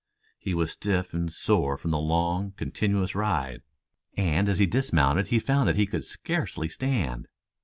He was stiff and sore from the long, continuous ride, and as he dismounted he found that he could scarcely stand.